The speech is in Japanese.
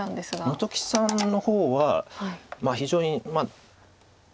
本木さんの方は非常に。